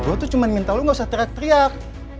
gue tuh cuma minta lu gak usah teriak teriak